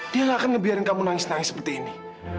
dia gak akan ngebiarkan kamu nangis nangis seperti ini